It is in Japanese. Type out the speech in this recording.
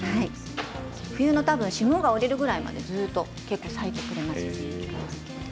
冬の霜が降りるぐらいまでずっと咲いてくれます。